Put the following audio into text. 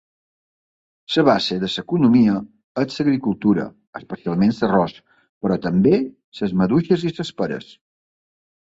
La base de l'economia és l'agricultura, especialment l'arròs, però també les maduixes i les peres.